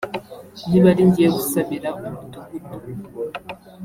niba ari njyewe usabira umudugudu